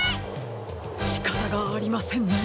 しかたがありませんね。